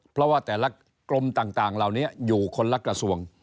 เพราะว่าแต่ละกรมต่างเหล่านี้อยู่คนละกระทรวง